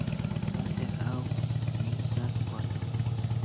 با تێر ئاوی سارد بخواتەوە